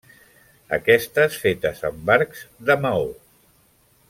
Aquestes fetes amb arcs de maó.